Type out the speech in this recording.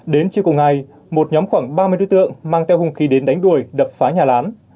đến chiều cùng ngày một nhóm khoảng ba mươi đối tượng mang theo hung khí đến đánh đuổi đập phá nhà lán